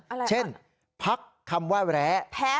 ครั้งนั้นเช่นพักคำว่าแร้